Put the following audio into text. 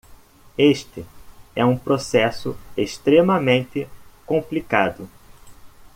Este é um processo extremamente complicado.